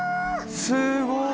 すごい。